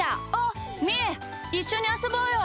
いっしょにあそぼうよ。